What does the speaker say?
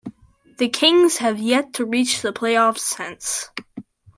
The Kings have yet to reach the playoffs since.